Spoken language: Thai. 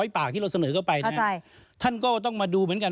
ปากที่เราเสนอเข้าไปนะท่านก็ต้องมาดูเหมือนกัน